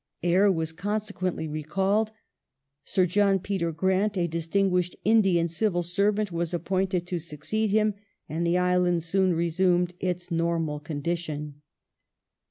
Eyre was conse quently recalled : Sir John Peter Grant, a distinguished Indian Civil servant, was appointed to succeed him, and the island soon resumed its normal condition.